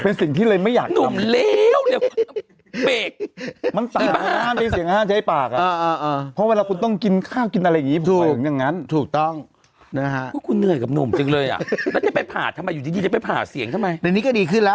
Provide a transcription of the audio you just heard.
โอเคโอ๊ยไม่อีกรอบสองรอบหรอกเธอเป็นปีนุ่นอืม